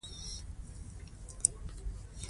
بادام د افغانستان د زرغونتیا یوه څرګنده نښه ده.